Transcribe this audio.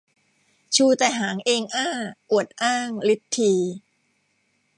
ชูแต่หางเองอ้า อวดอ้างฤทธี